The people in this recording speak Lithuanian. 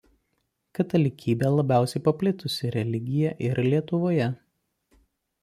Katalikybė labiausiai paplitusi religija ir Lietuvoje.